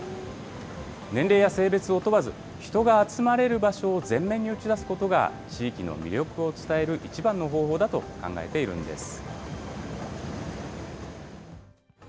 年齢や性別を問わず、人が集まれる場所を前面に打ち出すことが、地域の魅力を伝える一番の方法だと考えているんです。